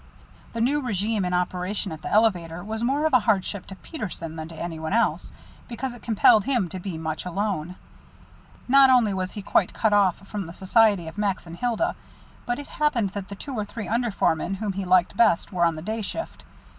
The new régime in operation at the elevator was more of a hardship to Peterson than to any one else, because it compelled him to be much alone. Not only was he quite cut off from the society of Max and Hilda, but it happened that the two or three under foremen whom he liked best were on the day shift.